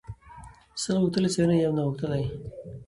ـ سل غوښتلي ځايږي يو ناغښتى نه.